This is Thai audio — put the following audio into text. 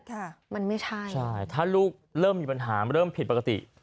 ค่ะมันไม่ใช่ใช่ถ้าลูกเริ่มมีปัญหาเริ่มผิดปกติ